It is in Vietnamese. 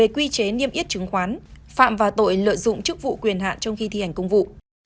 quy chế niêm yết chứng khoán phạm vào tội lợi dụng chức vụ quyền hạn trong khi thi hành công vụ